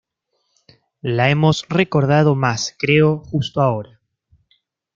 La hemos recordado más, creo, justo ahora".